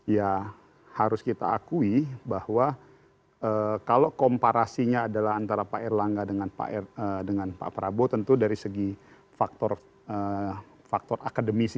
ya harus kita akui bahwa kalau komparasinya adalah antara pak erlangga dengan pak prabowo tentu dari segi faktor akademisi